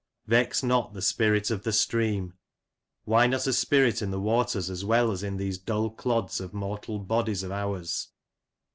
Vex not the spirit of the stream ! Why not a spirit in the waters as well as in these dull clods of mortal bodies of ours